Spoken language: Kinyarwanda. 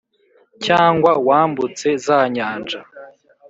cyangwa wambutse za nyanja